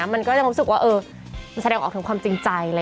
มันจะเห็นโหว่ามันแสดงออกถึงความจริงใจ